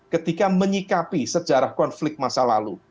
ketika menyikapi sejarah konflik masa lalu